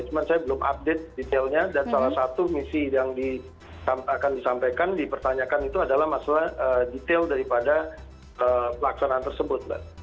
cuma saya belum update detailnya dan salah satu misi yang akan disampaikan dipertanyakan itu adalah masalah detail daripada pelaksanaan tersebut mbak